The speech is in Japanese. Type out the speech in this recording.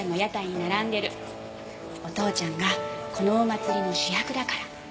お父ちゃんがこのお祭りの主役だから。